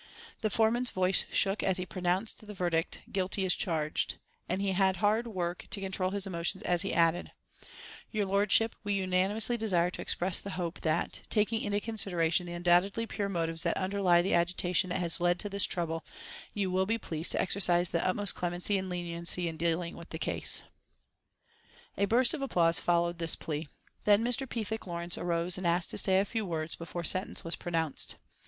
The foreman's voice shook as he pronounced the verdict, guilty as charged, and he had hard work to control his emotion as he added: "Your Lordship, we unanimously desire to express the hope that, taking into consideration the undoubtedly pure motives that underlie the agitation that has led to this trouble, you will be pleased to exercise the utmost clemency and leniency in dealing with the case." A burst of applause followed this plea. Then Mr. Pethick Lawrence arose and asked to say a few words before sentence was pronounced.